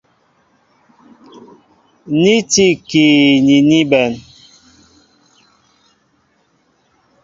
Ni tí ikii ni ní bɛ̌n.